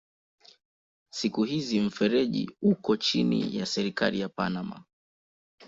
Siku hizi mfereji uko chini ya serikali ya Panama.